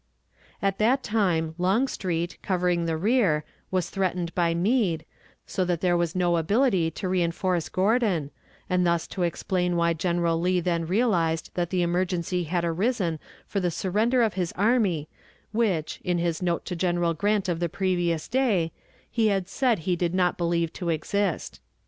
At that time Longstreet, covering the rear, was threatened by Meade, so that there was no ability to reënforce Gordon, and thus to explain why General Lee then realized that the emergency had arisen for the surrender of his army which, in his note to General Grant of the previous day, he had said he did not believe to exist.